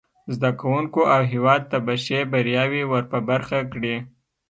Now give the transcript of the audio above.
زده کوونکو او هیواد ته به ښې بریاوې ور په برخه کړي.